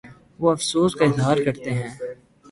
وہ افسوس کا اظہارکرتے ہیں